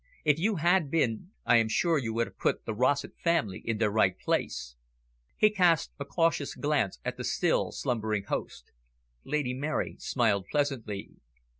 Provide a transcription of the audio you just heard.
If you had been, I am sure you would have put the Rossett family in their right place." He cast a cautious glance at the still slumbering host. Lady Mary smiled pleasantly.